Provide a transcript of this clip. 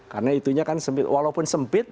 karena itunya kan walaupun sempit